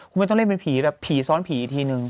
คุณไม่ต้องเล่นเป็นผีแบบผีซ้อนผีอีกทีนึง